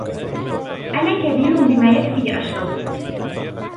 أنا كبير بما يكفي لأشرب.